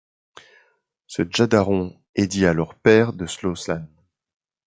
Ce Djadaron est dit alors père de Soslan.